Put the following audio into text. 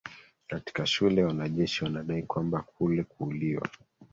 katika shule Wanajeshi wanadai kwamba kule kuuliwa